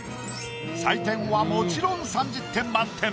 採点はもちろん３０点満点。